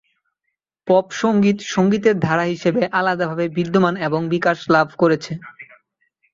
Pop সঙ্গীত সঙ্গীতের ধারা হিসেবে আলাদাভাবে বিদ্যমান এবং বিকাশ লাভ করেছে।